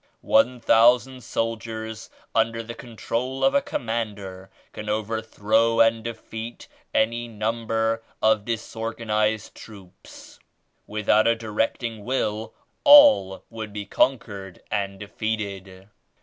One thousand soldiers under the control of a commander can overthrow and defeat any number of disorgan ized troops. Without a directing will all would be conquered and defeated.